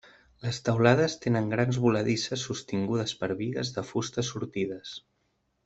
Les teulades tenen grans voladisses sostingudes per bigues de fusta sortides.